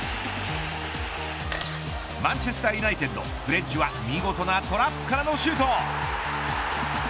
マンチェスター・ユナイテッドフレッジは見事なトラップからのシュート。